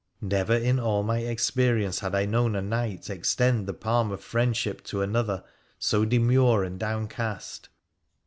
Never in all my experience had I known a knight extend the palm of friendship to another so demure and downcast.